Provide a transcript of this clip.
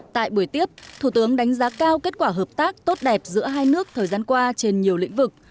tại buổi tiếp thủ tướng đánh giá cao kết quả hợp tác tốt đẹp giữa hai nước thời gian qua trên nhiều lĩnh vực